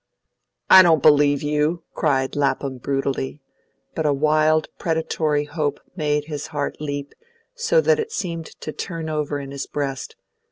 "I don't believe you!" cried Lapham brutally, but a wild predatory hope made his heart leap so that it seemed to turn over in his breast.